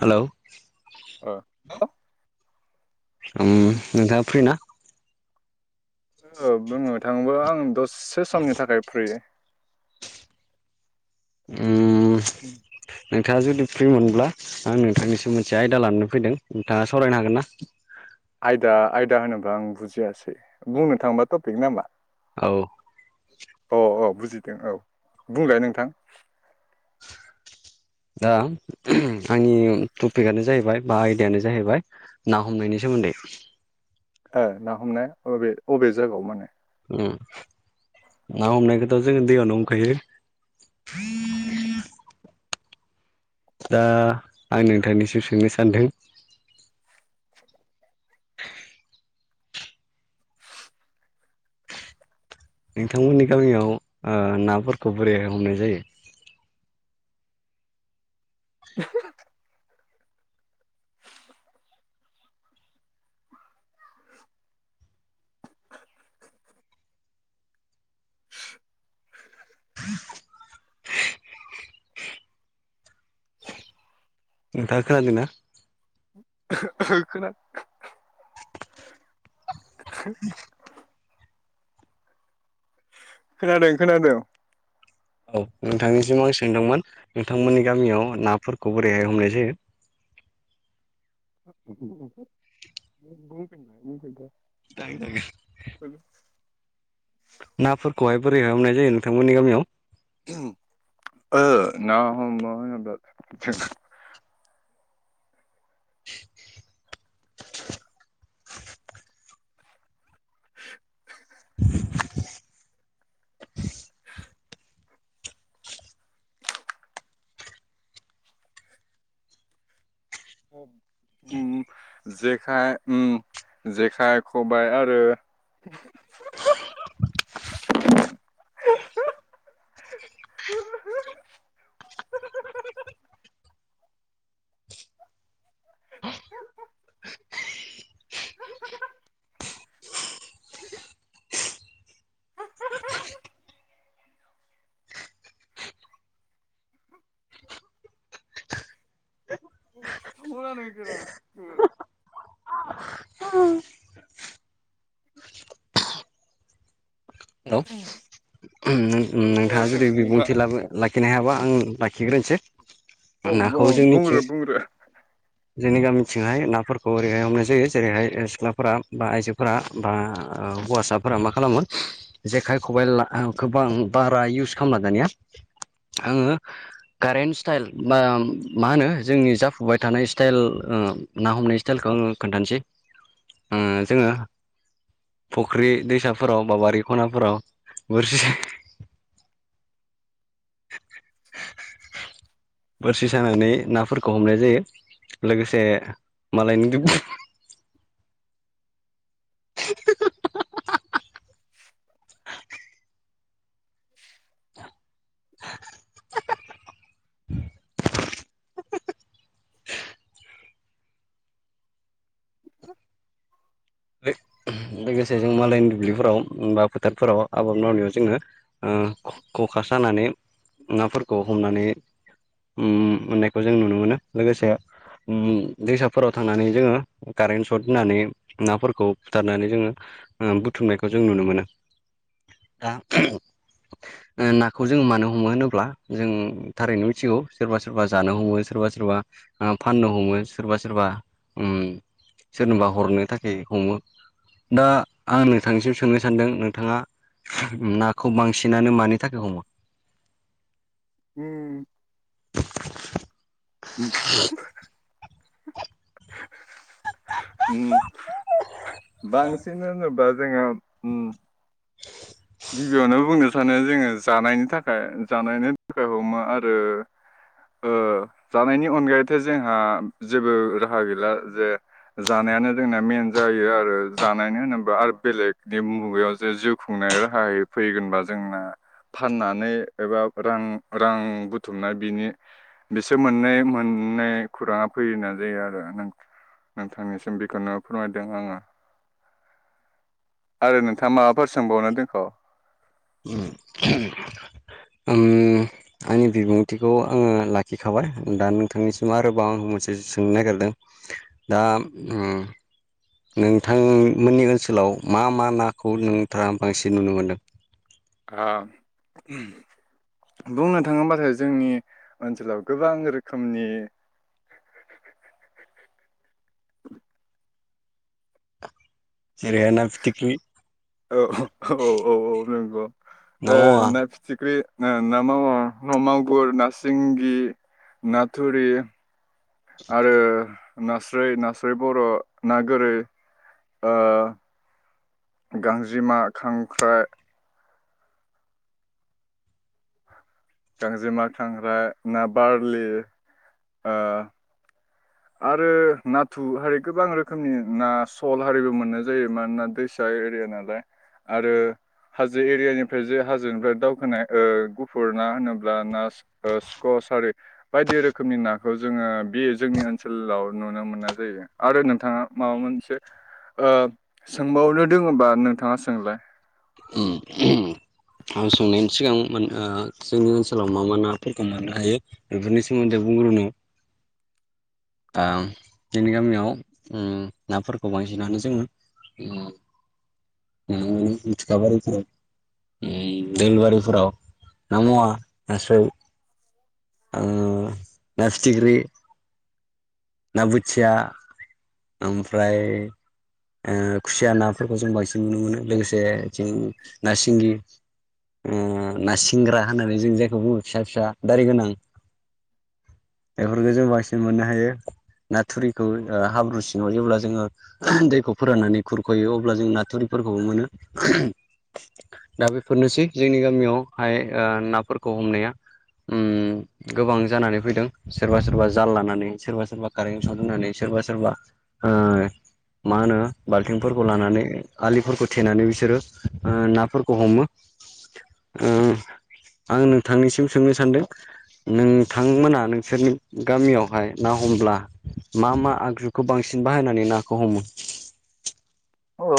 Hello औ उम नोंथाङा फ्रि ना? औ बुंनो थाङोब्ला आं दससे समनि थाखाय फ्रि। उम नोंथाङा जुदि फ्रि मोनब्ला आं नोंथांनिसो मोनसे आयदा लानानै फैदों नोंथाङा सावरायनो हागोन ना? आयदा आयदा होनोबा आं बुजियासै बुंनो थांबा टपिक नामा? औ अ औ बुजिदों औ बुंलाय नोंथां। दा आंनि टपिकआनो जाहैबाय बा आयदायानो जाहैबाय ना हमनायनि सोमोन्दै। ओ ना हमनाया अबे अबे जायगायाव माने ना हमनायखौथ' जोङो दैयावनो हमखायो। दा आं नोंथांनिसिम सोंनो सानदों [unintelligible] नोंथांमोननि गामियाव ओ नाफोरखौ बोरैहाय हमनाय जायो? [unintelligible] नोंथाङा खोनादों ना? [unintelligible] [unintelligible] खोनादों खोनादों। औ नोंथांनिसिम आं सोंदोंमोन नोंथांमोननि गामियाव नाफोरखौ बोरैहाय हमनाय जायो? [unintelligible] [unintelligible] [unintelligible] नाफोरखौहाय बोरैहाय हमनाय जायो नोंथांमोननि गामियाव? ओ ना हमनाय होनोबा [unintelligible] [unintelligible] [unintelligible] [unintelligible] [unintelligible] उम [unintelligible] जेखाइ उम जेखाइ खबाइ आरो [unintelligible] [unintelligible] [unintelligible] औ ओम नोंथाङा जुदि बिबुंथि लाखिनो हायाबा आं लाखिग्रोनोसै। औ नखौव बुं जोंनि थिं बुंग्रो बुंग्रो जोंनि गामिथिंहाय नाफोरखौ ओरैहाय हमनाय जायो जेरैहाय सिख्लाफोरा बा आइजोफोरा बा ओ हौवासाफोरा मा खालामो जेखाइ खबाइ गोबां बा बा इउस खालामलादानिया आंङो कारेन्ट स्टाइल बा मा होनो जोंनि जाफुबाय थानाय स्टाइल ना हमनाय स्टाइलखौ आंङो खोन्थानोसै जोंङो फुख्रि दैसाफोराव बा बारि खनाफोराव बोरसि बोरसि सानानै नाफोरखौ हमनाय जायो। लोगोसे मालायनि लोगोसे जों मालायनि दुब्लिफोराव बा फोथारफोराव आबाद मावनायाव जोंङो खखा सानानै नाफोरखौ हमनानै ओम मोननायखौ जों नुनो मोनो लोगोसे दैसाफोराव थांनानै जोंङो कारेन्ट सर्ट होननानै नाफोरखौ बुथारनानै जोंङो ओमबुथुमनायखौ जों नुनो मोनो दा नाखौ जों मानो हमो होनोब्ला जों थारैनो मिथिगौ। सोरबा सोरबा जानो हमो सोरबा सोरबा फाननो हमो सोरबा सोरबा ओम सोरनोबा हरनो थाखाय हमो। दा आं नोंथांनिसिम सोंनो सानदों नोंथाङा नाखौ बांसिनानो मानि थाखाय हमो? उम [unintelligible] ओम बांसिन होनोबा जोंङो ओम गिबियावनो बुंनो सानो जोंङो जानायनि थाखाय जानायनि थाखाय हमो आरो जानायनि अनगायैथ जोंहा जेबो राहा गैला जे जानायानो जोंना मेन जायो आरो जानायानो होनोबा आरो बेलेगनि मुगायाव जे जिउ खुंनाया [unintelligible] फैगोनबा जोंना फाननानै एबा रां रां बुथुमनाय बिनि बिसोर मोननाय मोननाय खौराङा फैनाय जायो आरो नों नोंथांनिसिम बेखौनो फोरमायदों आंङो। आरो नोंथाङा माबाफोर सोंबावनो दोन [unintelligible] ओम आंनि बिबुंथिखौ आंङो लाखिखाबाय दा नोंथांनिसिम आरोबाव आं मोनसे सोंनो नागिरदों। दा ओम नोंथांमोननि ओनसोलाव मा मा नाखौ नोंथांङा बांसिन नुनो मोनदों? [unintelligible] बुंनो थाङोबाथाय जोंनि ओनसोलाव गोबां रोखोमनि [unintelligible] औ औ औ औ नंगौ ना मावा फिथिख्रि ओ ना मागुर ना सिंगि नाथुरि आरो नास्राय नास्राय बर' ना गोरै ओ गांजेमा खांख्राइ गांजेमा खांग्रा ना बारलि ओ आरो नाथुर हारि गोबां रोखोमनि ना सल हारिबो मोननाय जायो मानोना दै फिसा एरिया नालाय आरो हाजो एरियानिफ्राय जे हाजोनिफ्राय दावखोनाय ओ गुफुर ना होनोब्ला ना ओ स्कस आरि बायदि रोखोमनि नाखौ जोङो बे जोंनि ओ- ओनसोलाव नुनो मोननाय जायो। आरो नोंथाङा माबा मोनसे ओ सोंबावनो दङ होनबा नोंथाङा सोंलाय। उम उम आं सोंनायनि सिगां माने जोंनि ओनसोलाव मा मा नाफोरखौ मोननो हायो बेफोरनि सोमोन्दै बुंग्रनो आ जोंनि गामियाव उम नाफोरखौ बांसिनानो जों उम उम मेथखा बारिफोराव उम दोलबारिफोराव ना मावा नास्रै ओ ना फिथिख्रि ना बोथिया ओमफ्राय ओ खुसिया नाफोरखौ जों बांसिन नुनो मोनो लोगोसे जों ना सिंगि। ओ ना सिंग्रा होननानै जों जायखौ बुङो फिसा फिसा दारि गोनां। बेफोरखौ जों बांसिन मोननो हायो ना थुरिखौ हाब्रु सिङाव जेब्ला जोङो दैखौ फोराननानै खुरख'यो अब्ला जों नाथुरिफोरखौबो मोनो। दा बेफोरनोसै जोंनि गामियावहाय ओ नाफोरखौ हमनाया उम गोबां जानानै फैदों सोरबा सोरबा जाल लानानै सोरबा सोरबा कारेन्ट सरत होननानै सोरबा सोरबा ओ मा होनो बाल्थिंफोरखौ लानानै आलिफोरखौ थेनानै बिसोरो ओ नाफोरखौ हमो ओ आं नोंथांनिसिम सोंनो सानदों। नोंथांमोना नोंसोरनि गामियावहाय ना हमब्ला मा मा आगजुखौ बांसिन बाहायनानै नाखौ हमो?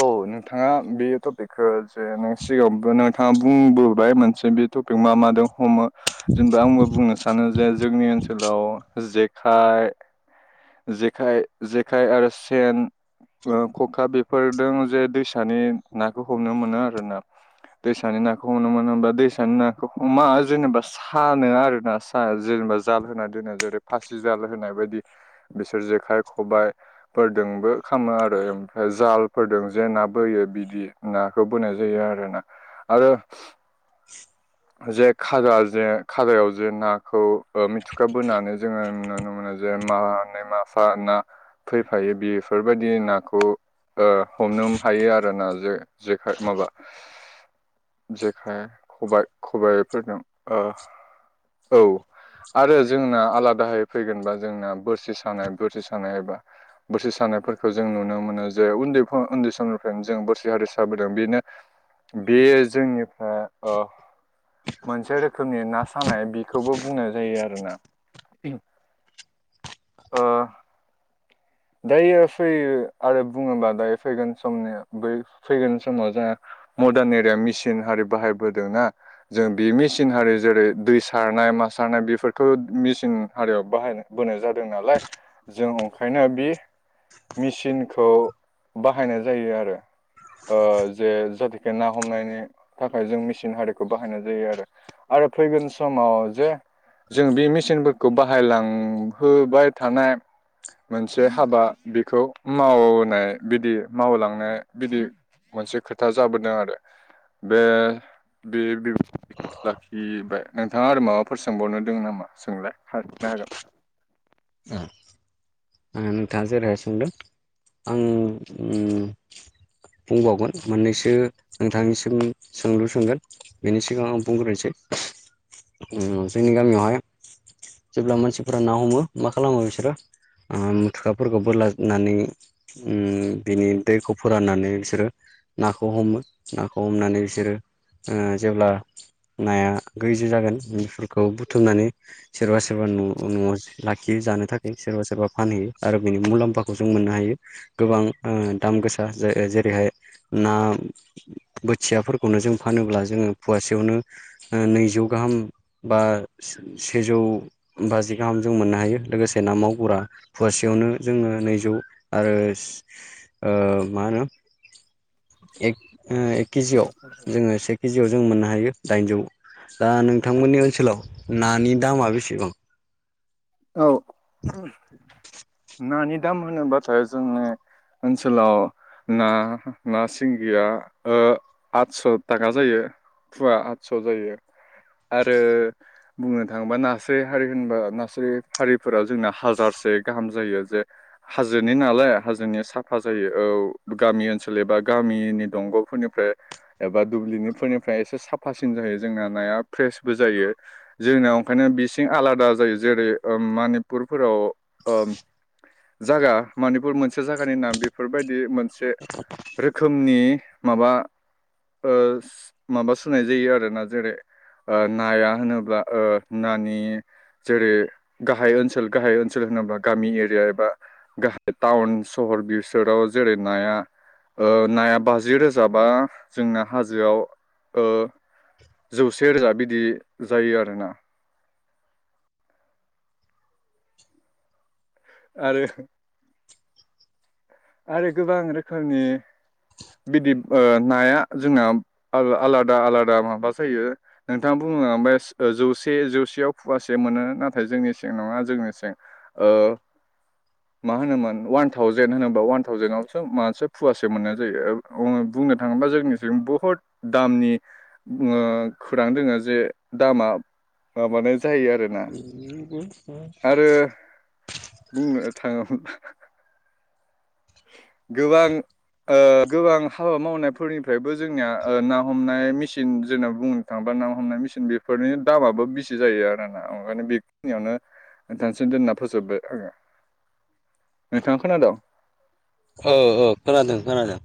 औ नोंथाङा बे टपिकखौ जे नो सिगाङावबो नोंथाङा बुंबोबाय मोनसे बे टपिक मा मादों हमो। जेनेबा आंबो बुंनो सानो जे जोंनि ओनसोलाव जेखाइ जेखाय जेखाइ आरो सेन ओ खखा बेफोरदों जे दैसानि नाखौ हमनो मोनो आरो ना। दैसानि नाखौ हमनो मोनो होमबा दैसानि नाखौ हमा जेनेबा फानो आरो ना सा जेनेबा जाल होना दोनाय जेरै फासि जाल होनाय बायदि बिसोर जेखाइ-खबाइ फोरदोंबो खामो आरो ओमफ्राय जालफोरजों जे ना बोयो बिदि नाखौ बोनाय जायो आरो ना। आरो [inaudible] जे खाजा जे खाजायाव जे नाखौ ओ मिथुखा बोनानै जोङो नुनो मोनो। जे मानै माफा ना फैफायो बेफोरबायदि नाखौ ओ हमनो हायो आरोना जे जेखाय माबा जेखाय-खबाइ खबायाइफोरजों ओ औ आरो जोंना आलादायै फैगोनबा जोंना बोसोरसे सानाय बोरसि सानाय एबा बोरसि सानायफोरखौ जों नुनो मोनो जे उन्दै उन्दै समनिफ्रायनो जों बोरसि हारि साबोदों बेनो बेयो जोंनिफ्रा ओ मोनसे रोखोमनि ना सानाय बेखौबो बुंनाय जायो आरो ना। [inaudible] दायो फै आरो बुङोबा दायो फैगोन समनि बै फैगोन समाव जोंहा मर्डान एरिया मेसिन हारि बाहायबोदों ना। जों बे मेसिन हारि जेरै-दै सारनाय, मा सारनाय, बेफोरखौ मेसिन हारियाव बाहायनो बोनाय जादों नालाय जों ओंखायनो बे मेसिनखौ बाहायनाय जायो आरो। ओ जे जाथेखे ना हमनायनि थाखाय जों मेसिन हारिखौ बाहायनाय जायो आरो। आरो फैगोन समाव जे जों बे मेसिनफोरखौ बाहायलांहोबाय थानाय मोनसे हाबा बेखौ मावनाय बिदि मावलांनाय बिदि मोनसे खोथा जाबोदों आरो। बे बि बि खौ लाखिबाय नोंथाङा आरो माबाफोर सोंबावनो दोङो नामा सोंलाय हाफिनो हागोन। उम। ओ नोंथाङा जेरैहाय सोंदों आं उम बुंबावगोन मोननैसो नोंथांनिसिम सोंलु सोंगोन बेनि सिगां आं बुंग्रोनोसै। उम जोंनि गामियावहाय जेब्ला मानसिफोरा ना हमो मा खालामो बिसोरो ओम मुथुखाफोरखौ बोलाजोबनानै उम बिनि दैखौ फोराननानै बिसोरो नाखौ हमो। नाखौ हमनानै बिसोरो ओ जेब्ला नाया गैजि जागोन बेफोरखौ बुथुमनानै सोरबा सोरबा नु नुआव लाखियो जानो थाखाय सोरबा सोरबा फानहैयो आरो बिनि मुलाम्फाखौ जों मोननो हायो। गोबां ओ दाम गोसा जो ओ जेरैहाय ना बोथियाफोरखौनो जों फानोब्ला जोङो फवासेयावनो ओ नैजौ गाहाम बा सेजौ बाजि गाहाम जों मोननो हायो लोगोसे ना मावगुरा फवासेयावनो जोङो नैजौ आरो ओ मा होनो ए ओ क केजियाव जोङो से केजियाव जों मोननो हायो। दाइनजौ दा नोंथांमोननि ओनसोलाव नानि दामा बेसेबां? औ नानि दाम होनोब्लाथाय जोङो ओनसोलाव ना ना सिंगिया ओ आटस' थाखा जायो। फुवा आदस' जायो। आरो बुंनो थाङोबा नास्राय हारि होनबा नास्राय हारिफोरा जोंना हाजारसे गाहाम जायो जे हाजोनि नालाय हाजोनि साफा जायो औ गामि ओनसोल एबा गामिनि दंग'फोरनिफ्राय एबा दुब्लिनिफोरनिफ्राय एसे साफासिन जायो जोंना नाया फ्रेसबो जायो। जोंनाव ओंखायनो बिसिं आलादा जायो जेरै ओम मानिपुरफोराव ओम जागा मानिपुर मोनसे जागानि नाम बेफोरबायदि मोनसे रोखोमनि माबा माबा सुनाय जायो आरोना। जेरै ओ नाया होनोब्ला ओ नानि जेरै गाहाय ओनसोल गाहाय ओनसोल होनोबा गामि एरिया एबा गाहाय टाउन सहर बिसोराव जेरै नाया ओ नाया बाजि रोजाबा जोंना हाजोआव ओ जौसे रोजा बिदि जायो आरोना। आरो आरो गोबां रोखोमनि बिदि ओ नाया जोंना आलादा आलादा माबा जायो। नोंथाङा बुंलाबाय ओम जौसे जौसेयाव फुवासे मोनो नाथाय जोंनि सें नङा जोंनि सें। ओ मा होनोमोन अवान थावजेन होनो बा अवान थाावजेनआवसो मानसे पुवासे मोननाय जायो। बुंनो थाङोबा जोंनिसिं बुहुत दामनि ओ खौरां दोङो जे दामा माबानाय जायो आरो आरोना [inaudible] बुंनो थाङा गोबां ओ गोबां हाबा मावनायफोरनिफ्रायबो जोंनिया ओ ना हमनाय मेचिन जोंना बुङो। थांबा ना हमनाय मेसिन बेफोरनि दामाबो बेसे जायो आर ना ओंखायनो बेखिनियावनो नोंथांसिम दोनना फोजोबबाय आङो नोंथाङा खोनादों औ औ खोनादों खोनादों।